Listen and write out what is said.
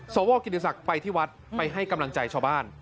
สวกิติศักดิ์ไปที่วัดไปให้กำลังใจชาวบ้าน